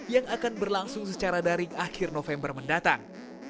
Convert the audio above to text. yang akan berlangsung secara daring akhir november mendatang